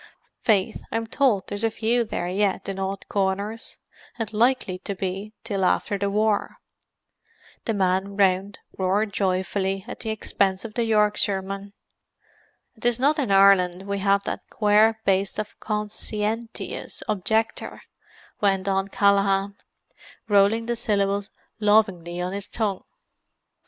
Faith, I'm towld there's a few there yet in odd corners—and likely to be till after the war." The men round roared joyfully, at the expense of the Yorkshireman. "And 'tis not in Ireland we have that quare baste the con sci en tious objector," went on Callaghan, rolling the syllables lovingly on his tongue.